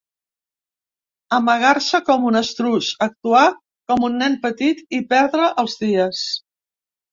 Amagar-se com un estruç’, actuar ‘com un nen petit’ i ‘perdre els dies’